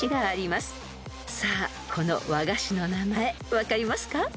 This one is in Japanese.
［さあこの和菓子の名前分かりますか？］